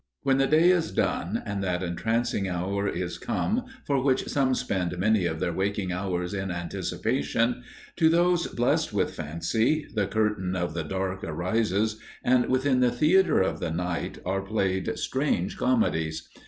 When the day is done, and that entrancing hour is come for which some spend many of their waking hours in anticipation, to those blessed with fancy, the curtain of the dark arises, and within the theatre of the Night are played strange comedies.